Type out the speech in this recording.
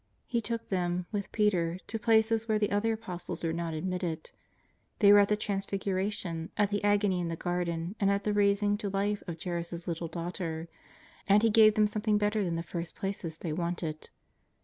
He took them, with Peter, to places where the other xlpostles were not admitted. They were at the Transfiguration, at the Agony in the Garden, and at the raising to life of Jairus' little daughter. And He gave them something better than the first places they wanted.